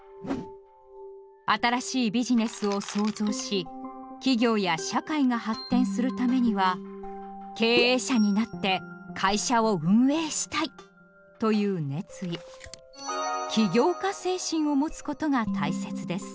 新しいビジネスを創造し企業や社会が発展するためには「経営者になって会社を運営したい」という熱意「起業家精神」を持つことが大切です。